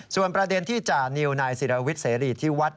ส่วนประเด็นที่จานิวนายศิรวิทย์เสรีที่วัด